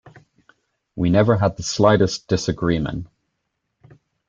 We never had the slightest disagreemen.